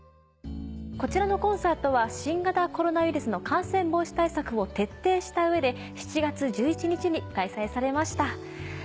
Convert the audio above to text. こちらのコンサートは新型コロナウイルスの感染防止対策を徹底した上で７月１１日に開催されました。